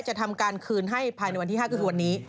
จะทำการคืนให้ภายในวันที่๕ก็คือวันนี้